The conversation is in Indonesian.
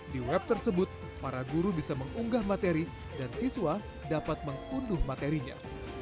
di web tersebut para guru bisa mengunggah materi dan siswa dapat mengunduh materinya